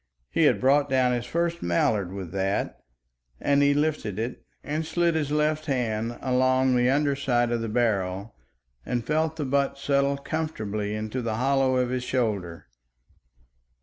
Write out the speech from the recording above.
He had brought down his first mallard with that, and he lifted it and slid his left hand along the under side of the barrel and felt the butt settle comfortably into the hollow of his shoulder.